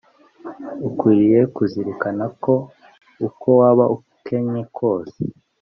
ukwiriye kuzirikana ko uko waba ukennye kose